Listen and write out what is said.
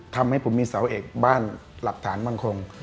ทำให้ผมมีเสาเอกบ้านหลักฐานมั่นคง